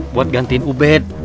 buat gantiin ubed